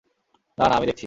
না, না, আমি দেখছি!